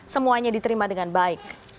semuanya diterima dengan baik